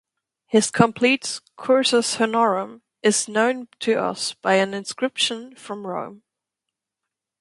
His complete "cursus honorum" is known to us by an inscription from Rome.